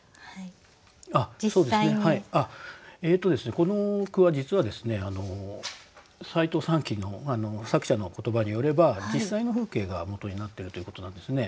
この句は実はですね西東三鬼の作者の言葉によれば実際の風景がもとになってるということなんですね。